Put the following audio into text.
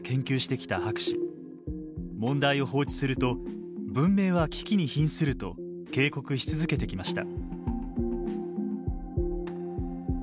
問題を放置すると文明は危機に瀕すると警告し続けてきました。